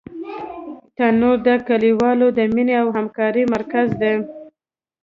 تنور د کلیوالو د مینې او همکارۍ مرکز دی